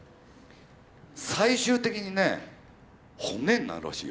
最終的にね骨になるらしいよ。